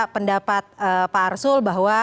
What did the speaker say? pendapat pak arsul bahwa